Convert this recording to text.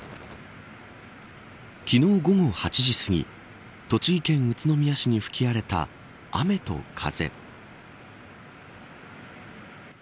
昨日午後８時すぎ栃木県宇都宮市に吹き荒れた雨と風。